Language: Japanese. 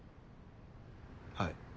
はい。